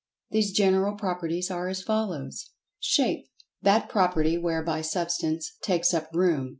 These General Properties are as follows: Shape: That property whereby Substance "takes up room."